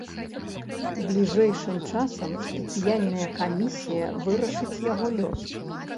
Бліжэйшым часам спецыяльная камісія вырашыць яго лёс.